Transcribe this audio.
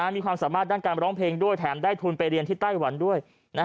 มีความสามารถด้านการร้องเพลงด้วยแถมได้ทุนไปเรียนที่ไต้หวันด้วย